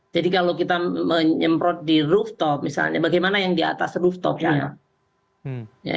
jadi kalau kita menyemprot di rooftop misalnya bagaimana yang di atas rooftopnya